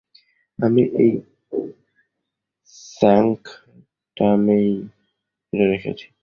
আমি এই স্যাঙ্কটামেই এটা রেখেছি।